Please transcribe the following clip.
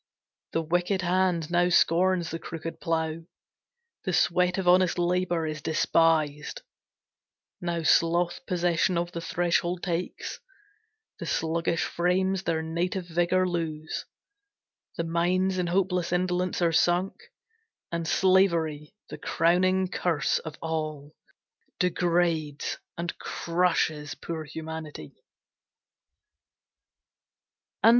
The wicked hand now scorns the crooked plough; The sweat of honest labor is despised; Now sloth possession of the threshold takes; The sluggish frames their native vigor lose; The minds in hopeless indolence are sunk; And slavery, the crowning curse of all, Degrades and crushes poor humanity.